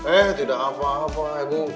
eh tidak apa apa lagi